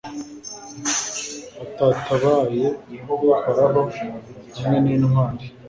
batatabaye uhoraho hamwe n'intwari